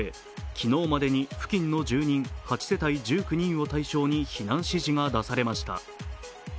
昨日までに、付近の住人８世帯１９人を対象に避難指示が出されました。